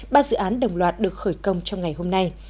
ba dự án đồng loạt được khởi công trong ngày hôm nay